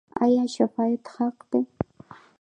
آیا شفاعت حق دی؟